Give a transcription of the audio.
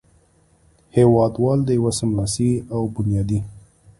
هېوادوال د یوه سملاسي او بنیادي